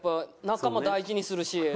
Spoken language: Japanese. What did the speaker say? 仲間大事にするし。